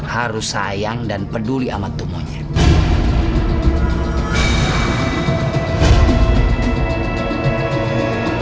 harus sayang dan peduli amat tuh monyet